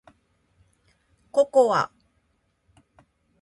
ココア